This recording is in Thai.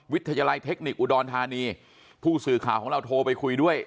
วิทยาลัยเทคนิคอุดรธานีผู้สื่อข่าวของเราโทรไปคุยด้วย